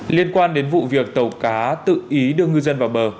liên quan đến vụ việc tàu cá tự ý đưa ngư dân vào bờ